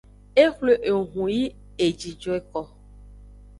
E xwle ehun yi eji joeko.